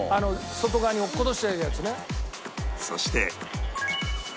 外側に落っことしてるやつね。